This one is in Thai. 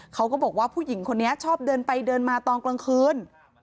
เขาก็บอกว่าผู้หญิงคนนี้ชอบเดินไปเดินมาตอนกลางคืน